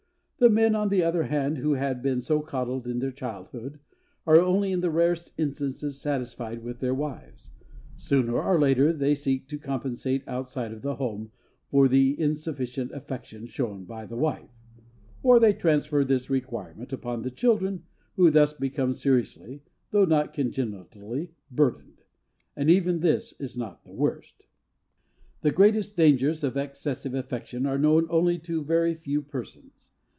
The men, on the other hand, who had been so coddled in their childhood, are only in the rarest instances satisfied with their wives; sooner or later they seek to compensate outside of the home for the insufficient affection shown by the wife; or they transfer this requirement upon the children who thus become seriously (though not congenitally) burdened. But even this is not the worst. The greatest dangers of excessive affection are known to only very few persons.